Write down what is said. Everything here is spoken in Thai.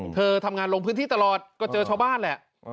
เธอทำงานลงพื้นที่ตลอดก็เจอชาวบ้านแหละ